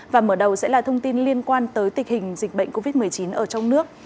và mở đầu sẽ là thông tin liên quan tới tình hình dịch bệnh covid một mươi chín ở trong nước